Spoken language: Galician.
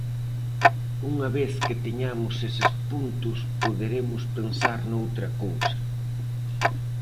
Unha vez que teñamos eses puntos poderemos pensar noutra cousa.